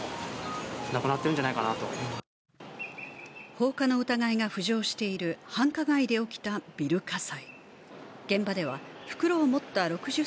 放火の疑いが浮上している繁華街で起きたビル火災。